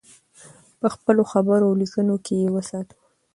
په خپلو خبرو او لیکنو کې یې وساتو.